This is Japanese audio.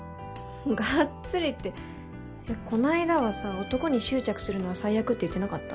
がっつりってこないだはさ男に執着するのは最悪って言ってなかった？